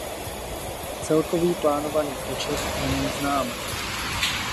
Celkový plánovaný počet není znám.